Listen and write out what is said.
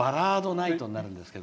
ナイトになるんですけど。